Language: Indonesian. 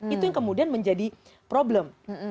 itu yang kemudian menjadi problem